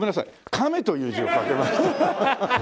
「亀」という字を書きました。